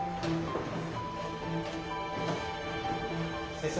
先生